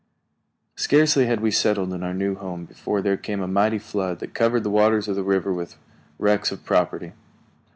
Scarcely had we settled in our new home before there came a mighty flood that covered the waters of the river with wrecks of property.